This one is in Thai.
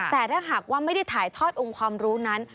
แต่ถ้าหากว่าไม่ได้ถ่ายทอดองค์ความรู้นั้น